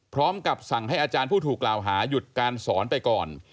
พร้อมกับสั่งให้อาจารย์ผู้ถูกกล่าวหาหยุดการสอนไปก่อน